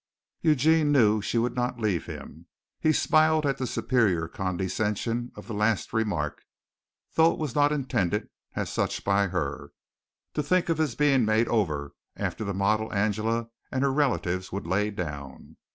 Eugene knew she would not leave him. He smiled at the superior condescension of the last remark, though it was not intended as such by her. To think of his being made over after the model Angela and her relatives would lay down!